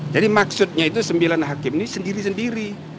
jadi maksudnya itu sembilan hakim ini sendiri sendiri